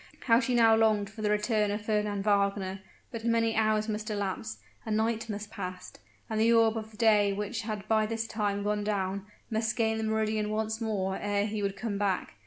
how she now longed for the return of Fernand Wagner; but many hours must elapse a night must pass and the orb of day which had by this time gone down, must gain the meridian once more ere he would come back.